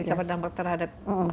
bisa berdampak terhadap janin juga